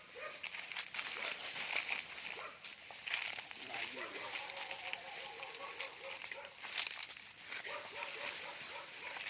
วันที่สุดท้ายมันกลายเป็นเวลาที่สุดท้าย